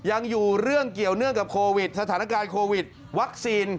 ยังอยู่เรื่องเกี่ยวเนื่องกับโควิดสถานการณ์โควิดวัคซีน